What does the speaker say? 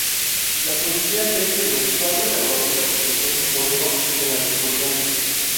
La policía cree que los cuatro terroristas sospechosos murieron en las explosiones.